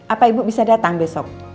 apa ibu bisa datang besok